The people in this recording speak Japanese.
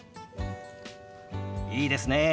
いいですねえ。